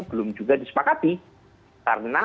belum juga disepakati karena